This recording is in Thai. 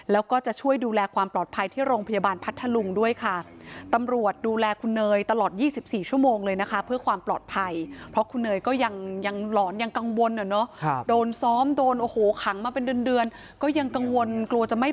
แล้วก็จะช่วยดูแลความปลอดภัยที่โรงพยาบาลพัทธลุงด้วยค่ะ